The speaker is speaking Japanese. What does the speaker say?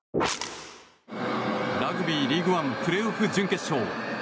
ラグビーリーグワンプレーオフ準決勝。